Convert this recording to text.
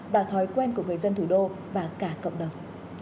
và thói quen của người dân thủ đô và cả cộng đồng